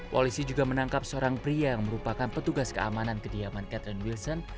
polisi juga menangkap seorang pria yang merupakan petugas keamanan kediaman catherine wilson